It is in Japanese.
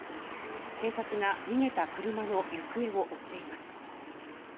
警察が逃げた車の行方を追っています。